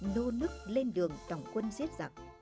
nô nức lên đường tổng quân giết giặc